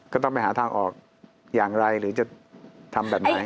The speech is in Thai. ก็ต้องไปหาทางออกอย่างไรหรือจะทำแบบไหน